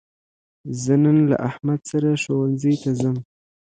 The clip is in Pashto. زه نن له احمد سره ښوونځي ته ځم.